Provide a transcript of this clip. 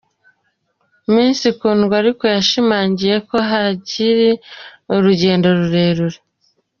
Miss Kundwa ariko yashimangiye ko hakiri urugendo rurerure.